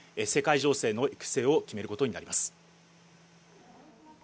世界情勢の行く末を決めることになります。